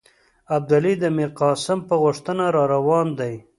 ابدالي د میرقاسم په غوښتنه را روان دی.